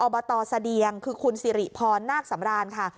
บตเสดียงคือคุณสิริพรนาคสำรานค่ะ